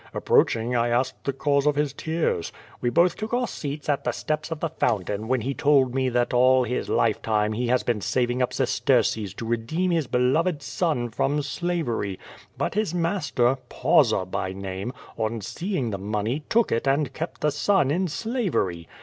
Approaching, I asked the cause of his tears. We both took our seats on the steps of the fountain, when he told me that all his life time he has been saving up sesterces to redeem his beloved son from slavery; but his master, Pausa by name, on seeing the money, took it and kept the son in slavery.